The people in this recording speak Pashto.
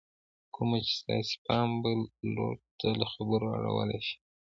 کومه چې ستاسې پام بل لور ته له خبرو اړولی شي